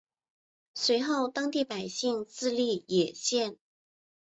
随后当地百姓自立冶县。